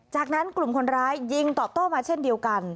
จากนั้นกลุ่มคนร้ายยิงตอบโต้มาเช่นเดียวกัน